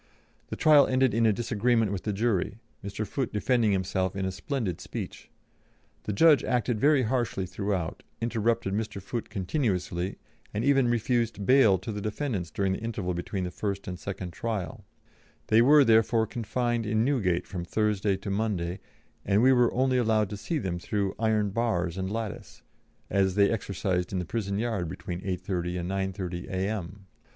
The trial ended in a disagreement of the jury, Mr. Foote defending himself in a splendid speech. The judge acted very harshly throughout, interrupted Mr. Foote continuously, and even refused bail to the defendants during the interval between the first and second trial; they were, therefore, confined in Newgate from Thursday to Monday, and we were only allowed to see them through iron bars and lattice, as they exercised in the prison yard between 8:30 and 9:30 a.m.